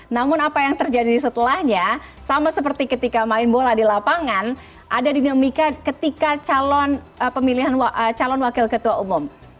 namun apa yang terjadi setelahnya sama seperti ketika main bola di lapangan ada dinamika ketika calon pemilihan calon wakil ketua umum